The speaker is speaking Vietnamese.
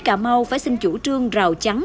cà mau phải xin chủ trương rào chắn